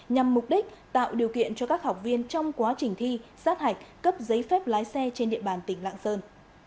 nhằm mục đích tạo điều kiện cho các học viên trong quá trình thi sát hạch cấp giấy phép lái xe trên địa bàn tỉnh lạng sơn